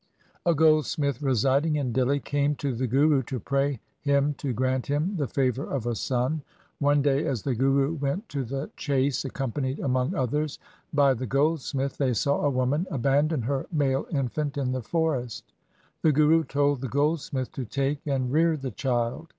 A goldsmith residing in Dihli came to the Guru to pray him to grant him the favour of a son. One day as the Guru went to the chase accompanied among others by the goldsmith, they saw a woman abandon her male infant in the forest. The Guru told the goldsmith to take and rear the child.